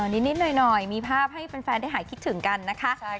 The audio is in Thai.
นิดหน่อยมีภาพให้แฟนได้หายคิดถึงกันนะคะ